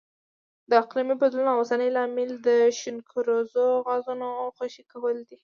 د اقلیمي بدلون اوسنی لامل د شینکوریزو غازونو خوشې کول دي.